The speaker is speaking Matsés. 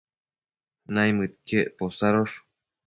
naimëdquiec posadosh